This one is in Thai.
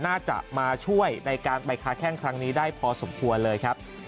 น่าจะมาช่วยในการไปค้าแข้งครั้งนี้ได้พอสมควรเลยครับ